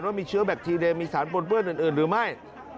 ว่ามีเชื้อแบคทีเดย์มีสารปนเปื้อนอื่นหรือไม่